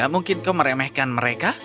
mungkin kau meremehkan mereka